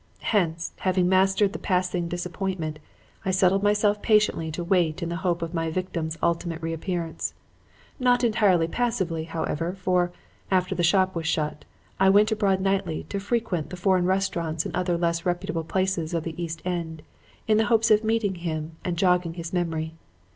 Hence, having mastered the passing disappointment, I settled myself patiently to wait in the hope of my victim's ultimate reappearance. Not entirely passively, however, for, after the shop was shut, I went abroad nightly to frequent the foreign restaurants and other less reputable places of the East End in the hopes of meeting him and jogging his memory.